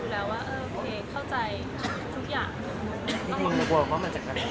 สัมภาษฎาใช่ไหม